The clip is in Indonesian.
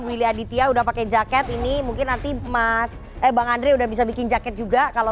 willy aditya udah pakai jaket ini mungkin nanti mas eh bang andre udah bisa bikin jaket juga kalau